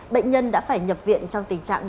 bệnh nhân đã phải nhập viện trong tình trạng